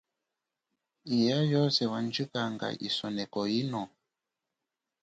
Iya yoze wandjikanga isoneko yino?